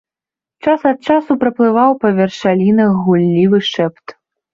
Час ад часу праплываў па вершалінах гуллівы шэпт.